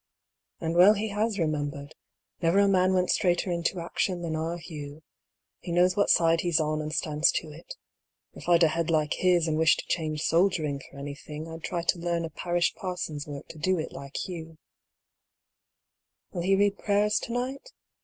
And well he has remembered; never a man went straighter into action than our Hugh; he knows what side he's on and stands to it: if I'd a head like his, and wished to change soldiering for anything, I'd try to learn a parish parson's work to do it like Hugh. COMING HOME. 97 Will he read prayers to night